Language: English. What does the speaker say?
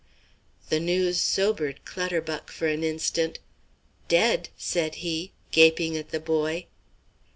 The news sobered Clutterbuck for an instant. "Dead!" said he, gaping at the boy.